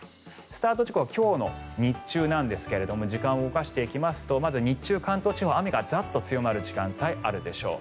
スタート時刻は今日の日中なんですが時間を動かしていきますとまず、日中は関東地方雨がザッと強まる時間帯があるでしょう。